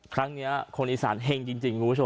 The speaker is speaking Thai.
ครั้งนี้คนอีสานเฮ่งจริงคุณผู้ชม